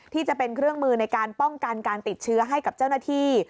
ที่จะเป็นเครื่องมือในการป้องกันการติดเชื้อให้กับเจ้าหน้าที่